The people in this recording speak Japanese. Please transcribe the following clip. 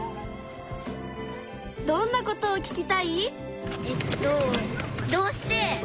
どんなことを聞きたい？